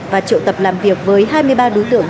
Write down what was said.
và triệu tập làm việc với hai mươi ba đối tượng